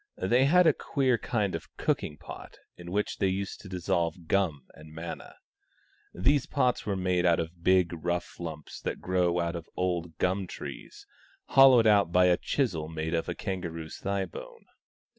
They had a queer kind of cooking pot, in which they used to dissolve gum and manna. These pots were made out of the big rough lumps that grow out of old gum trees, hoi THE STONE AXE OF BURKAMUKK ii lowed out by a chisel made of a kangaroo's thigh bone.